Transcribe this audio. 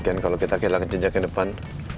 bagian kalo kita kehilangan jinjakan depan